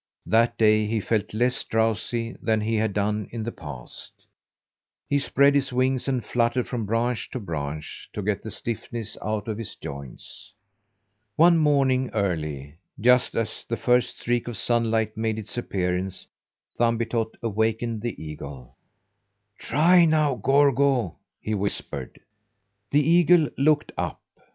That day he felt less drowsy than he had done in the past. He spread his wings, and fluttered from branch to branch to get the stiffness out of his joints. One morning early, just as the first streak of sunlight made its appearance, Thumbietot awakened the eagle. "Try now, Gorgo!" he whispered. The eagle looked up.